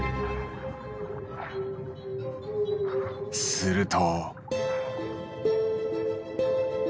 すると。